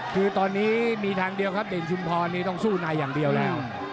คือตอนนี้มีทางเดียวครับเด่นชุมพรนี่ต้องสู้ในอย่างเดียวแล้ว